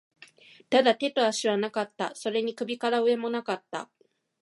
ただ、手と足はなかった。それに首から上も無かった。